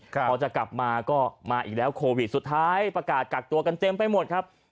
พอจะกลับมาก็มาอีกแล้วโควิดสุดท้ายประกาศกักตัวกันเต็มไปหมดครับ